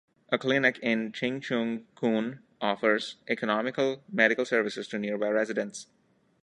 A clinic in Ching Chung Koon offers economical medical services to nearby residents.